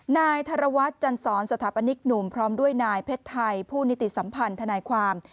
นายธรวัตรจันสอนสถาปนิกหนุ่มพร้อมด้วยนายเพชรไทยผู้นิติสัมพันธ์ทนายความ